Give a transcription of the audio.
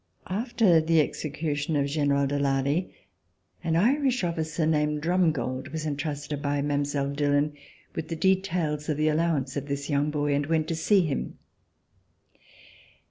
After the execution of General de Lally, an Irish officer named Drumgold was entrusted by C70] EVE OF THE REVOLUTION Mile. Dillon with the details of the allowance of this young boy and went to see him.